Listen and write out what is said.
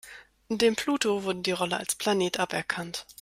Dem Pluto wurde die Rolle als Planet aberkannt.